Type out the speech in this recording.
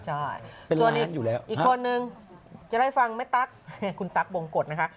ใช่อีกคนนึงจะได้ฟังแม่ตั๊กคุณตั๊กบงกฎนะคะ